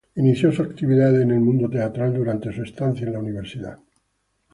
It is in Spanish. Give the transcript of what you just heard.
Inició su actividad en el mundo teatral durante su estancia en la Universidad.